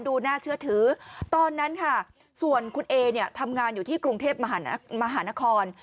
ดูน่าเชื่อถือตอนนั้นค่ะส่วนคุณเอเนี่ยทำงานอยู่ที่กรุงเทพมหานคร